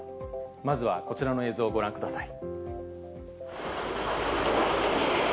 まずはこちらの映像をご覧ください。